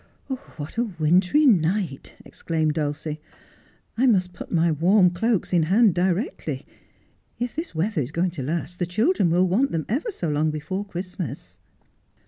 ' What a wintry night !' exclaimed Dulcie. ' I must put my warm cloaks in hand directly. If this weather is going to last the children will want them ever so long before Christmas.'